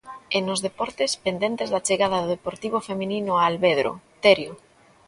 E nos deportes, pendentes da chegada do Deportivo feminino a Alvedro, Terio.